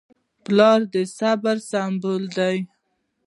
پلار د صبر سمبول دی.